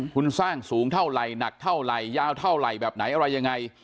คุณสร้างสูงเท่าไหร่หนักเท่าไหร่ยาวเท่าไหร่แบบไหนอะไรยังไง